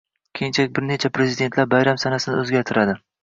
Keyinchalik bir necha prezidentlar bayram sanasini oʻzgartiradi